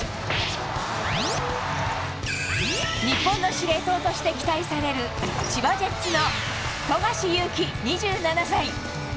日本の司令塔として期待される千葉ジェッツの富樫勇樹、２７歳。